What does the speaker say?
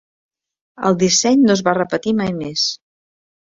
El disseny no es va repetir mai més.